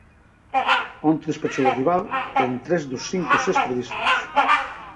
Onte despachou ao rival en tres dos cinco sets previstos.